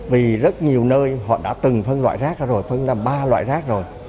vì rất nhiều nơi họ đã từng phân loại rác rồi phân ra ba loại rác rồi